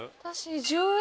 １０円